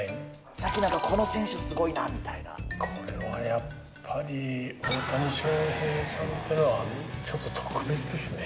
最近この選手、すごいなみたこれはやっぱり、大谷翔平さんっていうのは、ちょっと特別ですね。